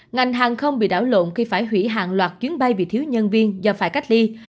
ngành hàng không bị đảo lộn khi phải hủy hàng loạt chuyến bay vì thiếu nhân viên do phải cách ly